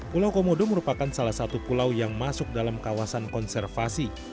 pulau komodo merupakan salah satu pulau yang masuk dalam kawasan konservasi